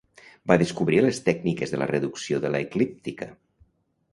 Va descobrir les tècniques de "la reducció de l'eclíptica".